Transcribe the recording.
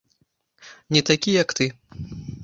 Не такі, як ты.